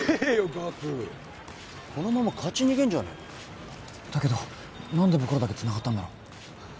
ガクこのまま勝ち逃げんじゃねえのだけど何で僕らだけつながったんだろ？